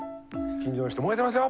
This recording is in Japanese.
近所の人「燃えてますよ！」。